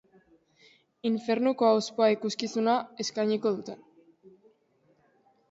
Infernuko hauspoa ikuskizuna eskainiko dute.